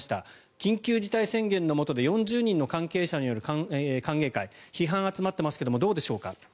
緊急事態宣言のもとで４０人の関係者による歓迎会批判が集まっていますがどうでしょうか。